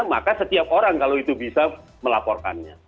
maka setiap orang kalau itu bisa melaporkannya